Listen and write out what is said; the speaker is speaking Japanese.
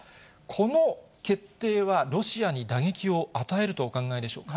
この決定は、ロシアに打撃を与えるとお考えでしょうか。